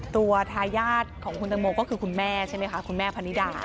ทายาทของคุณตังโมก็คือคุณแม่ใช่ไหมคะคุณแม่พนิดา